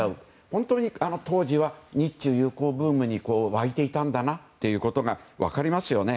本当に当時は日中友好ブームに沸いていたんだなということが分かりますよね。